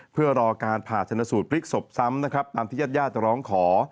เพื่อรอการผ่าชนสูตรปลิกสบซ้ำตามที่ญาติญาติจะร้องขอ